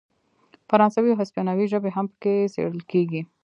فرانسوي او هسپانوي ژبې هم پکې څیړل کیږي.